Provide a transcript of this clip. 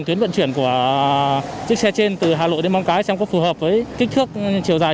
tuyến vận chuyển của chiếc xe trên từ hà lộ đến móng cái xem có phù hợp với kích thước chiều dài